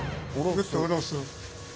グッと下ろす。